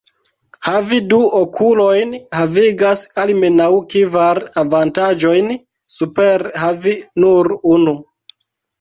Havi du okulojn havigas almenaŭ kvar avantaĝojn super havi nur unu.